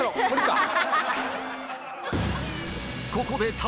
［ここで］